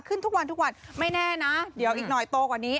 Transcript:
ขึ้นทุกวันทุกวันไม่แน่นะเดี๋ยวอีกหน่อยโตกว่านี้